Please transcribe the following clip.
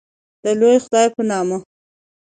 د لوی خدای په نامه